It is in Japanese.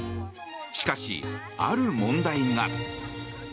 しかし、ある問題が。